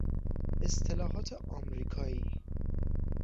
اصطلاحات امریکایی